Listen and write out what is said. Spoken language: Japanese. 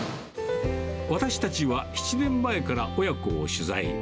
私たちは７年前から親子を取材。